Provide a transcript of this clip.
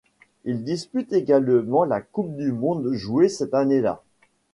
Il dispute également la Coupe du monde jouée cette année-là.